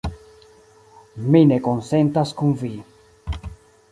Mi ne konsentas kun vi.